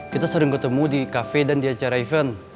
kita sering ketemu di kafe dan di acara event